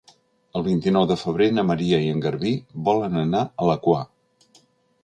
El vint-i-nou de febrer na Maria i en Garbí volen anar a la Quar.